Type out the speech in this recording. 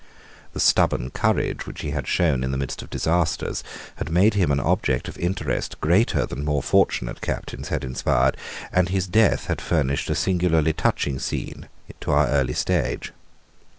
The stubborn courage which he had shown in the midst of disasters had made him an object of interest greater than more fortunate captains had inspired, and his death had furnished a singularly touching scene to our early stage.